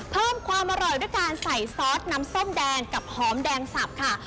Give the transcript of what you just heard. เพิ่มความอร่อยด้วยการใส่ซอสน้ำส้มแดงกับหอมแดงสับค่ะ